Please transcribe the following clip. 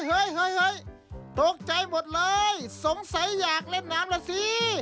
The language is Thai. เฮ้ยตกใจหมดเลยสงสัยอยากเล่นน้ำล่ะสิ